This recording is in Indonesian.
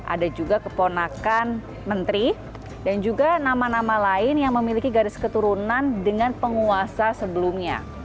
ada juga keponakan menteri dan juga nama nama lain yang memiliki garis keturunan dengan penguasa sebelumnya